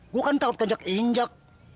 gua kan takut kenceng injek